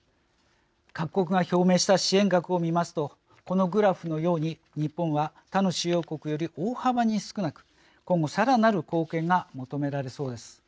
各国が表明した支援額を見ますとこのグラフのように日本は他の主要国より大幅に少なく今後、さらなる貢献が求められそうです。